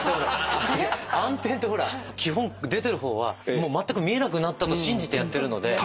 暗転ってほら基本出てる方はまったく見えなくなったと信じてやってるので。